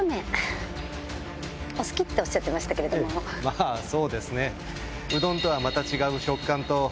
まぁそうですね。